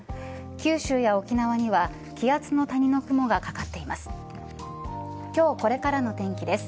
九州や沖縄には気圧の谷の雲がかかっています。